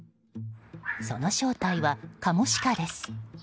その正体はカモシカです。